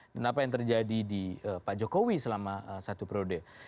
dan apa yang terjadi di pak jokowi selama satu periode